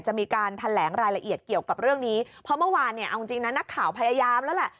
จะมีการแถลงรายละเอียดเกี่ยวกับเรื่องนี้เพราะเมื่อวานเนี่ยเอาจริงนะนักข่าวพยายามแล้วแหละ